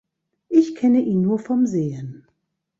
Ich kenne ihn nur vom Sehen.